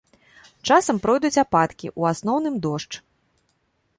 Часам пройдуць ападкі, у асноўным дождж.